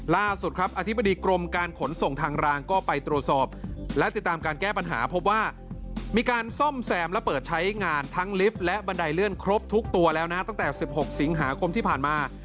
ล่าสุดครับอธิบดีกรมการขนส่งทางรางก็ไปตรวจสอบและติดตามการแก้ปัญหาพบว่ามีการซ่อมแซมและเปิดใช้งานทั้งลิฟต์และบันไดเลื่อนครบทุกตัวแล้วนะตั้งแต่๑๖สิงหาคมที่ผ่านมา